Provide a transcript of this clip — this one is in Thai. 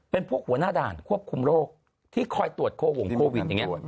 เป็นพวกหัวหน้าด่านควบคุมโรคที่คอยตรวจโคหวงโควิดอย่างนี้